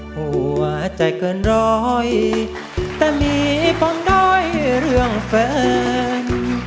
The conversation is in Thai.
หัวใจเกินร้อยแต่มีปมด้อยเรื่องแฟน